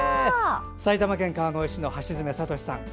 埼玉県川越市の、橋爪悟司さん。